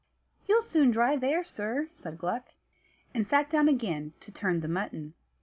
"You'll soon dry there, sir," said Gluck, and sat down again to turn the mutton.